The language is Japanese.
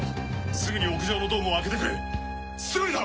すぐに屋上のドームを開けてくれすぐにだ！